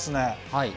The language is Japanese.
はい。